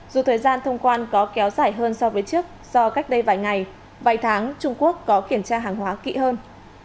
dù thời gian thông quan có kéo dài hơn so với trước do cách đây vài ngày vài tháng trung quốc có kiểm tra hàng hóa kỹ hơn